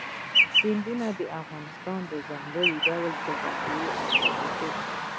سیندونه د افغانستان د ځانګړي ډول جغرافیه استازیتوب کوي.